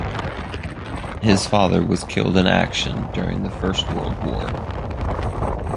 His father was killed in action during the First World War.